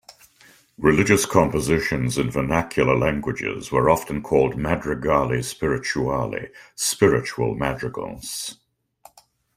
Religious compositions in vernacular languages were often called "madrigali spirituali", "spiritual madrigals".